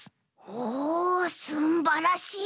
おおすんばらしい！